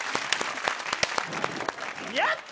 やった！